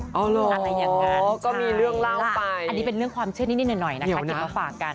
อะไรอย่างนั้นก็มีเรื่องเล่าไปอันนี้เป็นเรื่องความเชื่อนิดหน่อยนะคะเก็บมาฝากกัน